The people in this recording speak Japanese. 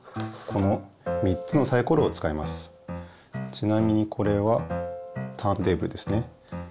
ちなみにこれはターンテーブルですね。